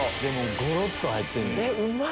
ごろっと入ってんねん。